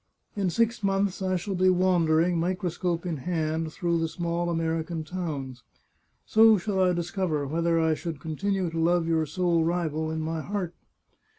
In six months I shall be wandering, microscope in hand, through the small American towns. So shall I discover whether I should continue to love your sole rival in my heart.